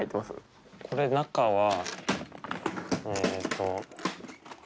これ中はえっと。